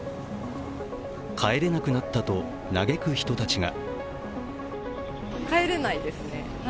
帰れなくなったと嘆く人たちが。